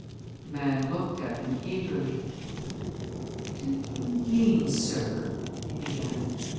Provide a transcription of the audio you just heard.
The man looked at him eagerly. "Do you mean, sir " he began. Mr.